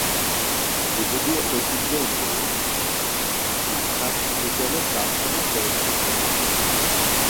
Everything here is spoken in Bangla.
ইহুদি ঐতিহ্য অনুযায়ী, ইসহাক বিকেলে প্রার্থনা প্রবর্তন করেছিলেন।